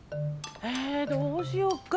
えどうしよっか？